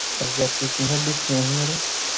প্রাণীরা অপ্রকৃত সিলোমযুক্ত ও অখন্ডকায়িত।